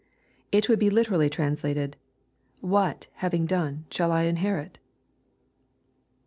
It would be literally translated, " Whatj having done, shall I inherit?" 19.